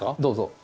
どうぞ。